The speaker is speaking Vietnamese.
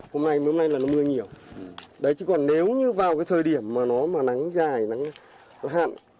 hôm nay hôm nay là nó mưa nhiều đấy chứ còn nếu như vào cái thời điểm mà nó mà nắng dài nắng hạn